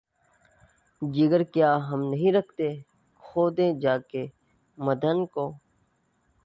جگر کیا ہم نہیں رکھتے کہ‘ کھودیں جا کے معدن کو؟